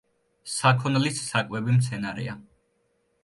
საქონლის საკვები მცენარეა.